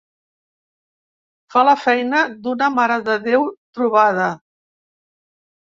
Fa la feina d'una marededéu trobada.